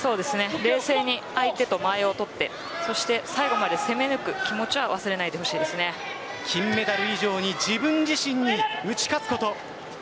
冷静に相手と間合いを取って最後まで攻め抜く気持ちは金メダル以上に自分自身に打ち勝つこと。